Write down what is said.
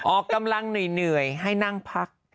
ออกกำลังเหนื่อยให้นั่งพัก